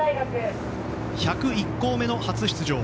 １０１校目の初出場。